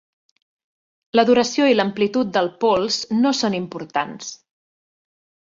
La duració i l'amplitud del pols no són importants.